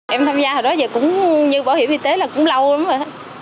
em tham gia hồi đó giờ cũng như bảo hiểm y tế là cũng lâu lắm rồi